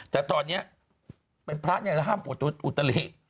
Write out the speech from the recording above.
แต่ตอนนี้เป็นพระห้ามอุตลิต